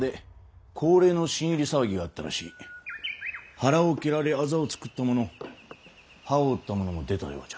腹を蹴られあざを作ったもの歯を折ったものも出たようじゃ。